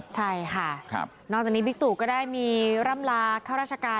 ใช่ค่ะนอกจากนี้บิ๊กตู่ก็ได้มีร่ำลาข้าราชการ